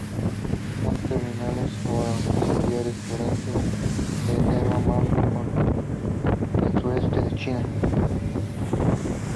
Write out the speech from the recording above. Son terminales o axilares; florece de enero a marzo en el sureste de China.